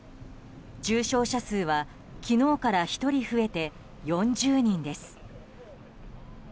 重症者数は昨日から１人増えて４０人です。